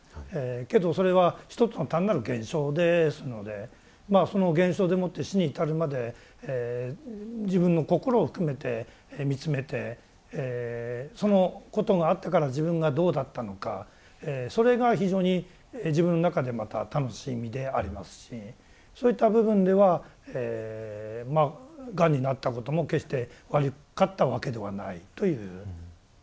けどそれは一つの単なる現象ですのでその現象でもって死に至るまで自分の心を含めて見つめてそのことがあったから自分がどうだったのかそれが非常に自分の中でまた楽しみでありますしそういった部分ではがんになったことも決して悪かったわけではないという。